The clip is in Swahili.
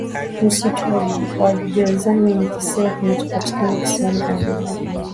Msitu wa jozani ni kisiwa kinachopatikana visiwani Zanzibar